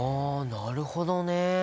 なるほどね。